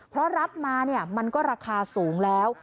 เพราะรับมาเนี่ยมันก็ราคาสูงแล้ว